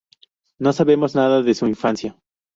No sabemos nada de su infancia.